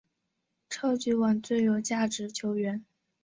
超级碗最有价值球员。